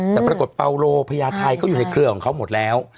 แต่ปรากฎเฟราโลพระยาทัยก็ยังอยู่ในเครือของเค้าหมดแล้ว